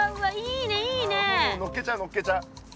のっけちゃうのっけちゃう。